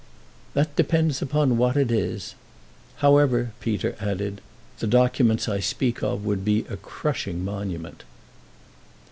"That depends upon what it is. However," Peter added, "the documents I speak of would be a crushing monument."